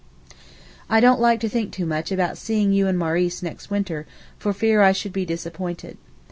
I don't like to think too much about seeing you and Maurice next winter for fear I should be disappointed.